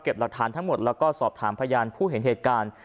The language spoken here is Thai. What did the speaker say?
หลักฐานทั้งหมดแล้วก็สอบถามพยานผู้เห็นเหตุการณ์